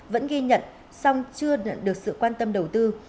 vẫn ghi nhận song chưa được sự quan tâm đầu tư